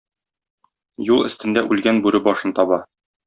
Юл өстендә үлгән бүре башын таба.